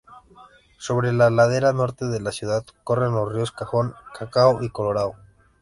Sobre la ladera norte de la ciudad corren los ríos Cajón, Cacao y Colorado.